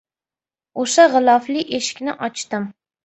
O‘sha g‘ilofli eshikni ochdim.